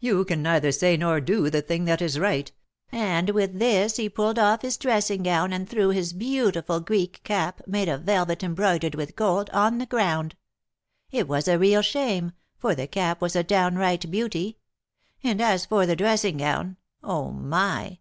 You can neither say nor do the thing that is right,' and with this he pulled off his dressing gown and threw his beautiful Greek cap, made of velvet embroidered with gold, on the ground: it was a real shame, for the cap was a downright beauty; and as for the dressing gown, oh, my!